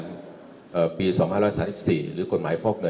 เราก็จะดำเนินตามกฎหมายด้วยเคร่งขัด